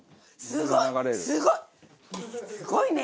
すごいね！